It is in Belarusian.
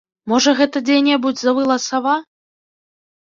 Можа, гэта дзе-небудзь завыла сава?